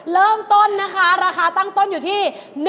เริ่มต้นนะคะราคาตั้งต้นอยู่ที่